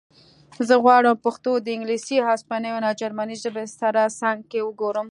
زه غواړم پښتو د انګلیسي هسپانوي او جرمنۍ ژبې سره څنګ کې وګورم